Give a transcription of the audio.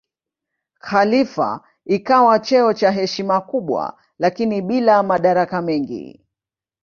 Khalifa ikawa cheo cha heshima kubwa lakini bila madaraka mengi.